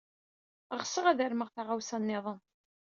Ɣseɣ ad armeɣ taɣawsa niḍen.